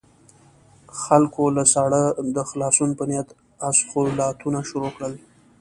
خلکو له ساړه د خلاصون په نيت اسخولاتونه شروع کړل.